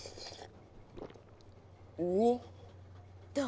どう？